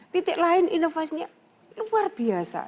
titik lain inovasinya luar biasa